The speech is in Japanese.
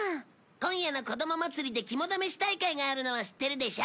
今夜の子供祭りで肝試し大会があるのは知ってるでしょ？